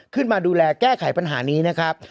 ขึ้นมาดูแลแก้ไขปัญหานี้นะครับ